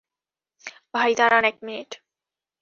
ভাই, দাঁড়ান এক মিনিট।